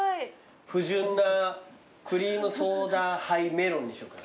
不純なクリームソーダハイメロンにしようかな。